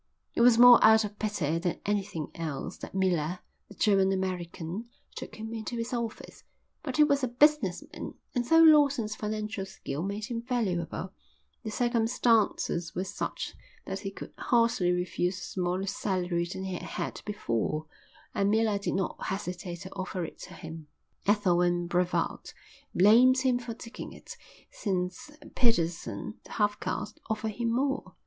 It was more out of pity than anything else that Miller, the German American, took him into his office; but he was a business man, and though Lawson's financial skill made him valuable, the circumstances were such that he could hardly refuse a smaller salary than he had had before, and Miller did not hesitate to offer it to him. Ethel and Brevald blamed him for taking it, since Pedersen, the half caste, offered him more.